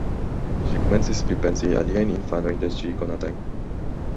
Ŝi komencis pripensi aliajn infanojn de ŝi konatajn.